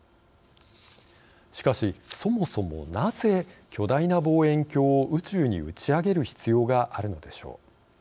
しかし、そもそもなぜ巨大な望遠鏡を宇宙に打ち上げる必要があるのでしょう。